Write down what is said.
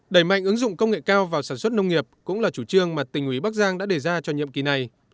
đẩy mạnh ứng dụng công nghệ cao vào sản xuất nông nghiệp cũng là chủ trương mà tỉnh ủy bắc giang đã đề ra cho nhiệm kỳ này